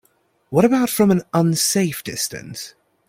What about from an unsafe distance?